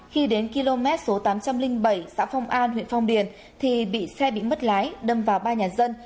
khi đến km số tám trăm linh bảy xã phong an huyện phong điền đã bị lật hút vào ba nhà dân